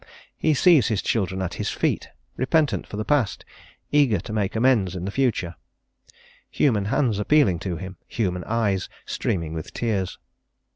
He sees His children at His feet, repentant for the past, eager to make amends in the future; human hands appealing to Him, human eyes streaming with tears.